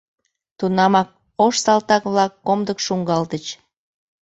Тунамак ош салтак-влак комдык шуҥгалтыч.